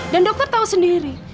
dan dokter tahu sendiri